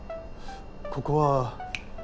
ここは。